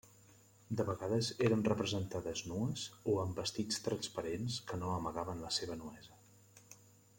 De vegades eren representades nues o amb vestits transparents que no amagaven la seva nuesa.